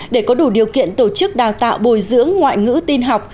để có đủ điều kiện tổ chức đào tạo bồi dưỡng ngoại ngữ tin học